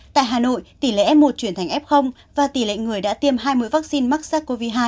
tại hà nội tỷ lệ f một chuyển thành f và tỷ lệ người đã tiêm hai mươi vaccine mắc sars cov hai